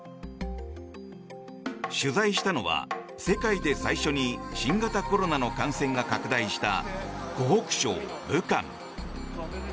取材したのは世界で最初に新型コロナの感染が拡大した湖北省武漢。